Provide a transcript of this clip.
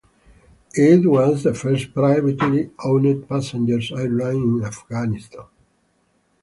It was the first privately owned passenger airline in Afghanistan.